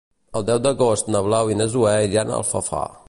El deu d'agost na Blau i na Zoè iran a Alfafar.